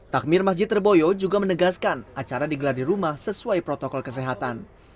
takmir masjid reboyo juga menegaskan acara digelar di rumah sesuai protokol kesehatan